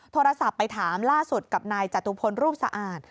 โทรศัพท์ไปถามล่าสุดกับนายจตุพลรูปสะอาด